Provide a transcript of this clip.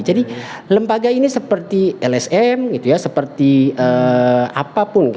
jadi lembaga ini seperti lsm gitu ya seperti apapun